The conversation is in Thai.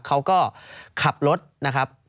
เขาก็ขับรถนะครับ